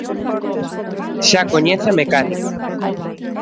Xa coñece a mecánica.